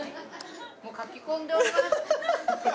もうかき込んでおります！